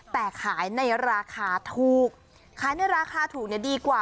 แต่ขายในราคาถูกขายในราคาถูกเนี่ยดีกว่า